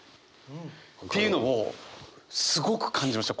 っていうのをすごく感じました